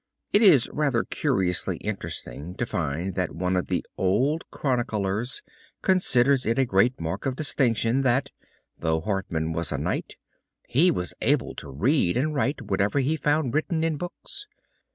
It is rather curiously interesting to find that one of the old chroniclers considers it a great mark of distinction that, though Hartman was a knight, he was able to read and write whatever he found written in books.